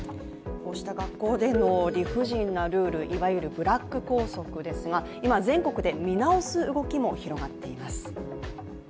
こうした学校での理不尽なルール、いわゆるブラック校則ですが今、全国で見直す動きも広がっています。